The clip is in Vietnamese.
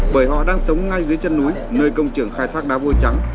bởi họ đang sống ngay dưới chân núi nơi công trường khai thác đá vôi trắng